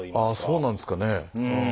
ああそうなんですかね。